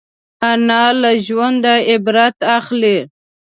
انا له ژونده عبرت اخلي